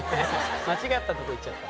間違ったとこ行っちゃった。